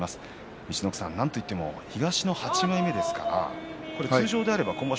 陸奥さん、なんといっても東の８枚目通常であれば今場所